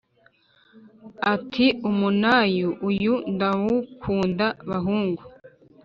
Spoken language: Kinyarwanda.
Ati: “Umunayu uyu ndawukunda bahungu